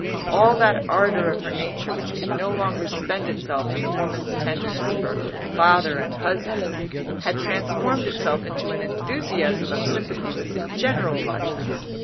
All that ardour of her nature which could no longer spend itself in the woman's tenderness for father and husband, had transformed itself into an enthusiasm of sympathy with the general life.